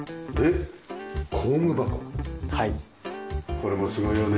これもすごいよね